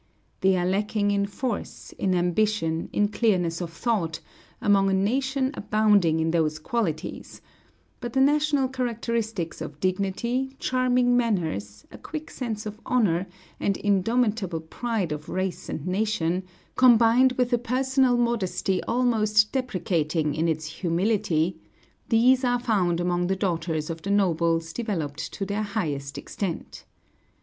They are lacking in force, in ambition, in clearness of thought, among a nation abounding in those qualities; but the national characteristics of dignity, charming manners, a quick sense of honor, and indomitable pride of race and nation, combined with a personal modesty almost deprecating in its humility, these are found among the daughters of the nobles developed to their highest extent.